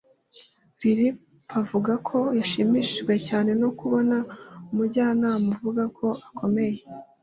Lil Pavuga ko yashimishijwe cyane no kubona umujyanama avuga ko akomeye